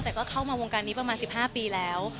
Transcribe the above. แต่ก็เข้ามาวงการนี้ประมาณ๑๕ปีแล้ว